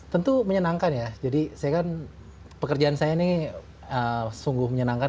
tentu menyenangkan ya jadi saya kan pekerjaan saya ini sungguh menyenangkan